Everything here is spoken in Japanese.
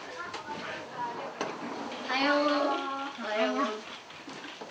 おはよう。